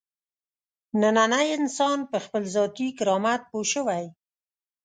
نننی انسان په خپل ذاتي کرامت پوه شوی.